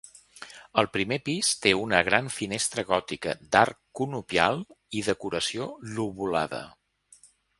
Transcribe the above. El primer pis té una gran finestra gòtica d'arc conopial i decoració lobulada.